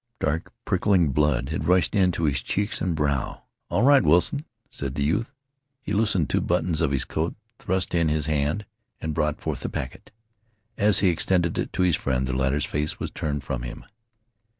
Dark, prickling blood had flushed into his cheeks and brow. "All right, Wilson," said the youth. He loosened two buttons of his coat, thrust in his hand, and brought forth the packet. As he extended it to his friend the latter's face was turned from him.